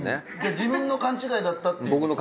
「自分の勘違いだった」って。